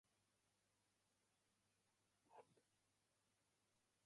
Could you kindly verify some details before we proceed with the check-in process?